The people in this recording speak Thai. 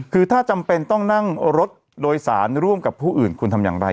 คือถ้าจำเป็นต้องนั่งรถโดยสารร่วมกับผู้อื่นคุณทำอย่างไร